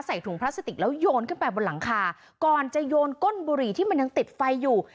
ถุงพลาสติกแล้วโยนขึ้นไปบนหลังคาก่อนจะโยนก้นบุหรี่ที่มันยังติดไฟอยู่